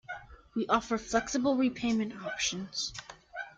We offer flexible repayment options.